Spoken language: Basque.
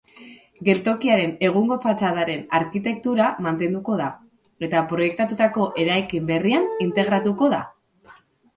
Geltokiaren egungo fatxadaren arkitektura mantenduko da, eta proiektatutako eraikin berrian integratuko da.